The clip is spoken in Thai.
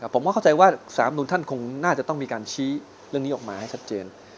ผมก็เข้าใจว่าสารธรรมนุนท่านคงน่าจะต้องมีการชี้เรื่องนี้ออกมาให้ชัดเจน